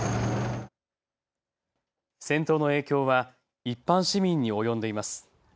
戦闘の影響は一般市民に及んでいます。